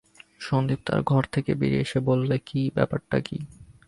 সন্দীপ তার ঘর থেকে বেরিয়ে এসে বললে, কী, ব্যাপারটা কী?